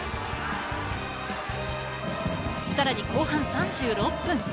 さらに後半３６分。